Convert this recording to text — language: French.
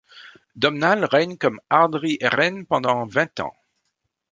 Domnall règne comme Ard ri Erenn pendant vingt ans.